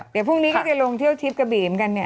เดี๋ยวพรุ่งนี้ก็จะลงเที่ยวทิพย์กระบี่เหมือนกันเนี่ย